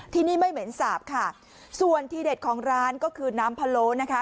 ที่นี่ไม่เหม็นสาปค่ะส่วนที่เด็ดของร้านก็คือน้ำพะโล้นะคะ